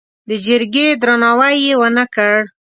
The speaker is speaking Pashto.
د جرګې درناوی یې ونه کړ.